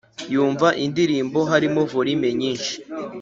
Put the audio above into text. yumva indirimbo harimo volume nyinshi